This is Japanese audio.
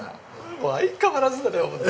もう相変わらずだね。